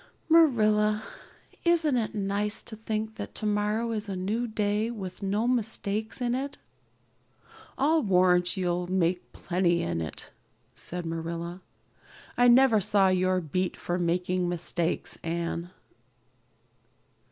"Marilla, isn't it nice to think that tomorrow is a new day with no mistakes in it yet?" "I'll warrant you'll make plenty in it," said Marilla. "I never saw your beat for making mistakes, Anne."